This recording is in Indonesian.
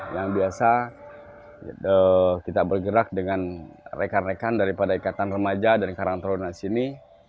yang biasa kita bergerak dengan rekan rekan daripada ikatan remaja dan karang taruna sini